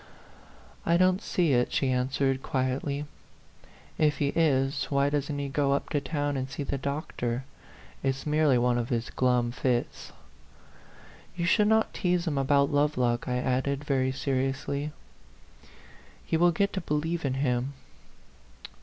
" I don't see it," she answered, quietly. " If he is, why doesn't he go up to town and see the doctor? It's merely one of his glum fits." "You should not tease him about Love lock," I added, very seriously. " He will get to believe in him."